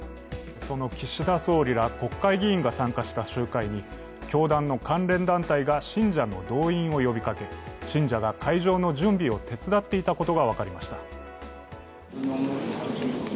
その岸田総理ら国会議員が参加した集会に教団の関連団体が信者の動員を呼びかけ、信者が会場の準備を手伝っていたことが分かりました。